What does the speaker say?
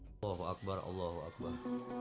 allahu akbar allahu akbar